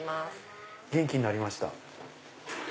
元気になりました。